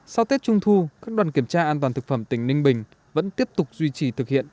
sau tết trung thu các đoàn kiểm tra an toàn thực phẩm tỉnh ninh bình vẫn tiếp tục duy trì thực hiện